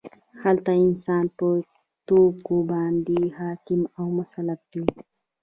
هلته انسان په توکو باندې حاکم او مسلط وي